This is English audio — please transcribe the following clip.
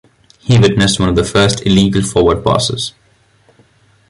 He witnessed one of the first illegal forward passes.